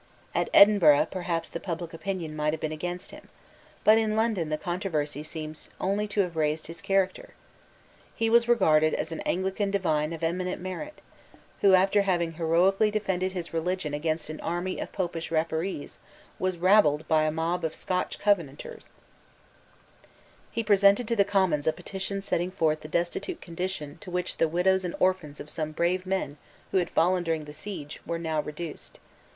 At Edinburgh perhaps the public opinion might have been against him. But in London the controversy seems only to have raised his character. He was regarded as an Anglican divine of eminent merit, who, after having heroically defended his religion against an army of Popish Rapparees, was rabbled by a mob of Scotch Covenanters, He presented to the Commons a petition setting forth the destitute condition to which the widows and orphans of some brave men who had fallen during the siege were now reduced.